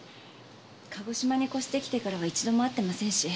鹿児島に越して来てからは一度も会ってませんし。